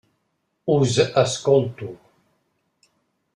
Us escolto.